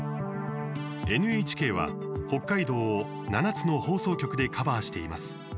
ＮＨＫは北海道を７つの放送局でカバーしています。